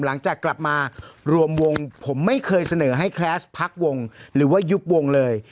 หลังจากกลับมารวมวงผมไม่เคยเสนอให้แคสต์พักวงหรือว่ายุบวงเลย